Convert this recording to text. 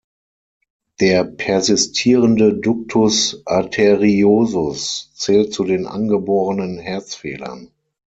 Der persistierende Ductus arteriosus zählt zu den angeborenen Herzfehlern.